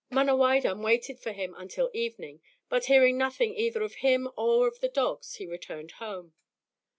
Manawydan waited for him until evening, but hearing nothing either of him or of the dogs, he returned home.